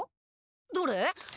どれ？